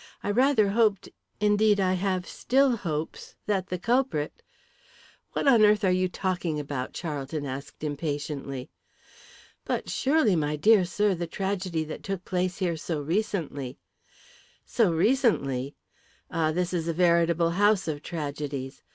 "I rather hoped indeed, I have still hopes that the culprit " "What on earth are you talking about?" Charlton asked impatiently. "But, surely, my dear sir, the tragedy that took place here so recently " "So recently! Ah, this is a veritable house of tragedies.